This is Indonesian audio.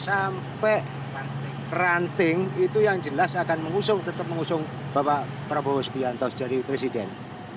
sampai ranting itu yang jelas akan mengusung tetap mengusung bapak prabowo subianto jadi presiden